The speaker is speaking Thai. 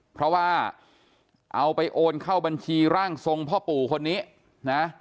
เพราะว่าเอาไปโอนเข้าบัญชีร่างทรงพ่อปู่คนนี้นะ